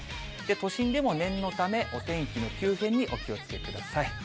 都心でも念のため、お天気の急変にお気をつけください。